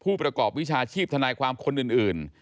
ประกอบวิชาชีพทนายความคนอื่น